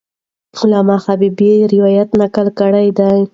علامه حبیبي روایت نقل کړی دی.